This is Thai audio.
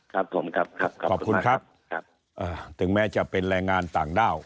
ครับผมครับครับขอบคุณครับครับถึงแม้จะเป็นแรงงานต่างด้าว